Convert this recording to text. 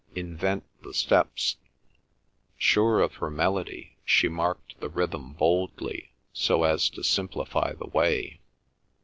"Invent the steps." Sure of her melody she marked the rhythm boldly so as to simplify the way.